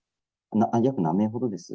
約何名ほどです？